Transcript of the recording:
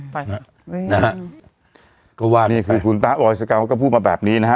นะฮะก็ว่านี่คือคุณต้าโอยสเกาะก็พูดมาแบบนี้นะฮะ